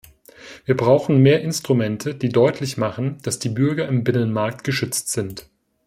Wir brauchen mehr Instrumente, die deutlich machen, dass die Bürger im Binnenmarkt geschützt sind.